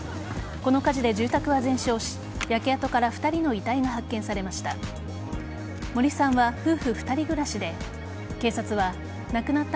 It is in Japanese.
この火事で住宅は全焼し焼け跡から２人の遺体が発見されました。